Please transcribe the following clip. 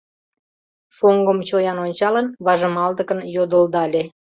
Шоҥгым чоян ончалын, важмалдыкын йодылдале: